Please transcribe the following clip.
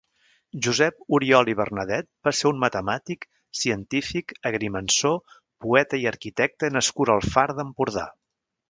Josep Oriol i Bernadet va ser un matemàtic, científic, agrimensor, poeta i arquitecte nascut al Far d'Empordà.